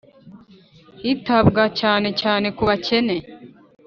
hitabwa cyane cyane kubakene .